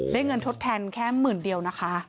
ได้เงินทดแทนแค่๑๐๐๐๐เดียว